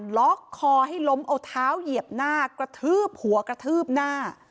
ล็อกคอให้ล้มเอาเท้าเหยียบหน้ากระทืบหัวกระทืบหน้า